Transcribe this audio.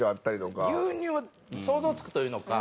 牛乳想像つくというのか。